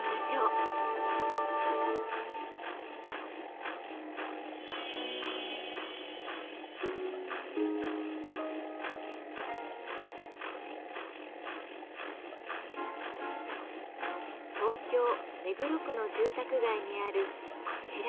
東京・目黒区の住宅街にあるこちらのお店。